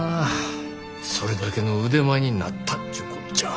それだけの腕前になったちゅうこっちゃ。